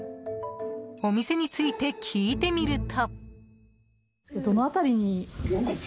お店について聞いてみると。